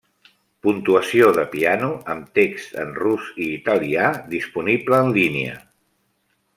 Puntuació de piano amb text en rus i italià disponible en línia.